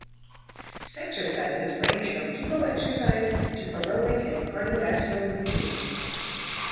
Sexercises range from Kegel exercise to aerobic and cardiovascular routines.